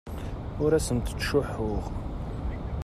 Ur asent-ttcuḥḥuɣ.